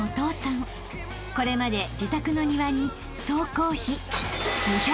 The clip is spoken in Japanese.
［これまで自宅の庭に］